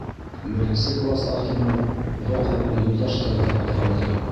Беренсе класс артынан оҙаҡламай Юлдаштар ҙа ҡуҙғалды.